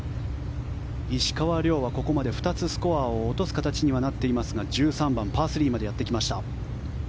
石川遼はここまで２つスコアを落とす形にはなっていますが１３番、パー３までやってきました。